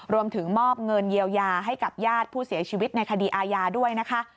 รวมถึงมอบเงินเยียวยาให้กับญาติผู้เสียชีวิตในคดีอาญาด้วยนะคะ